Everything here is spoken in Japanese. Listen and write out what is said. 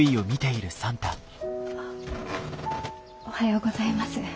おはようございます。